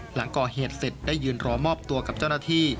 หลังก่อเหตุเสร็จได้ยืนรอมอบตัวกับเจ้าหน้าที่